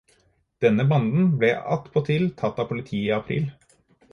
Denne banden ble attpåtil tatt av politiet i april.